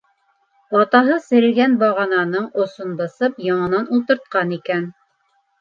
Атаһы серегән бағананың осон бысып, яңынан ултыртҡан икән.